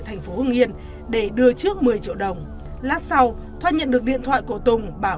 thành phố hưng yên để đưa trước một mươi triệu đồng lát sau thoa nhận được điện thoại của tùng bảo